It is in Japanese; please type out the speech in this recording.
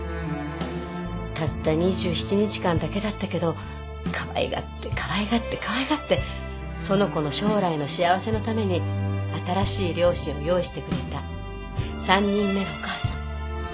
たった２７日間だけだったけどかわいがってかわいがってかわいがってその子の将来の幸せのために新しい両親を用意してくれた３人目のお母さん。